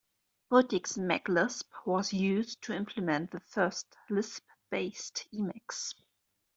Multics Maclisp was used to implement the first Lisp-based Emacs.